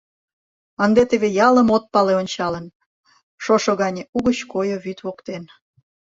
Ынде теве ялым от пале ончалын, шошо гане угыч койо вӱд воктен.